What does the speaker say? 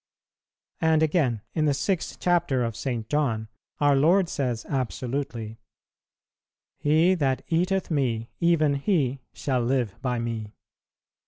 And again, in the sixth chapter of St. John, our Lord says absolutely, "He that eateth Me, even he shall live by Me."